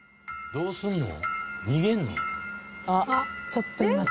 どうするの？